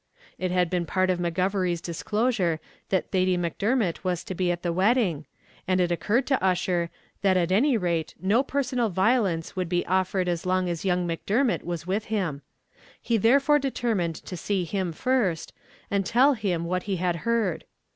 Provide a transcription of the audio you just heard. It had been part of McGovery's disclosure that Thady Macdermot was to be at the wedding, and it occurred to Ussher, that at any rate no personal violence would be offered as long as young Macdermot was with him; he therefore determined to see him first, and tell him what he had heard.